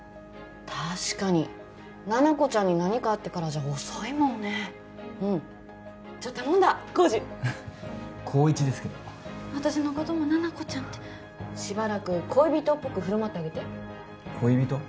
確かに七子ちゃんに何かあってからじゃ遅いもんねうんじゃ頼んだコウジ晃一ですけど私のことも「七子ちゃん」ってしばらく恋人っぽく振る舞ってあげて恋人？